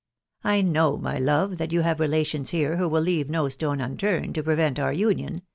I know, my love, that you have relations here who will leave ifo stone unturned' to prevent our union